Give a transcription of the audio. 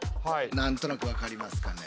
何となく分かりますかね？